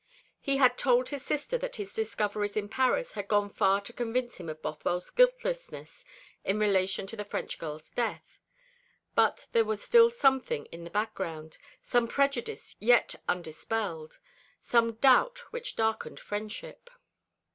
He had told his sister that his discoveries in Paris had gone far to convince him of Bothwell's guiltlessness in relation to the French girl's death: but there was still something in the background, some prejudice yet undispelled, some doubt which darkened friendship.